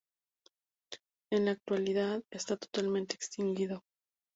En la actualidad está totalmente extinguido.